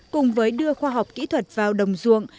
cùng với đưa khoa học kỹ thuật vào đồng ruộng